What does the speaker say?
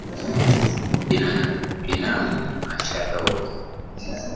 Binamu ashatoka